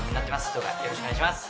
どうかよろしくお願いします。